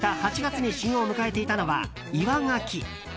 ロケをした８月に旬を迎えていたのはイワガキ。